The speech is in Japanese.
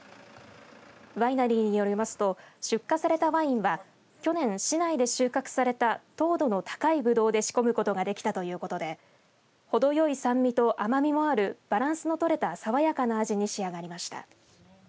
ワイナリーによりますと出荷されたワインは去年、市内で収穫された糖度の高いブドウで仕込むことができたということでほどよい酸味と甘みもあるバランスの取れた爽やかな味に仕上がりました。